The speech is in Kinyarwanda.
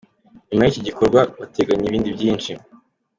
Nyuma y'iki gikorwa bateganya ibindi byinshi.